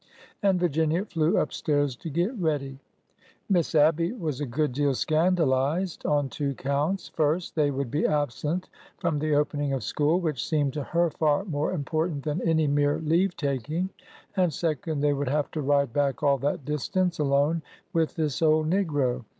And Virginia flew up stairs to get ready. Miss Abby was a good deal scandalized— on two counts : First, they would be absent from the opening of school, which seemed to her far more important than any mere leave taking; and, second, they would have to ride back all that distance alone with this old negro.